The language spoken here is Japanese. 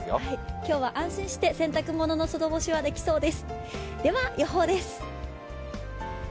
今日は安心して洗濯物の外干しはできそうです。